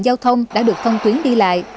giao thông đã được thông tuyến đi lại